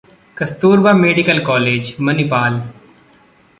Kasturba medical college, Manipal